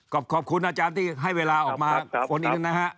ขอบคุณอาจารย์ที่ให้เวลาออกมาคนหนึ่งนะฮะ